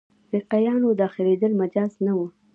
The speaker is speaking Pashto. فقیهانو داخلېدل مجاز نه وو.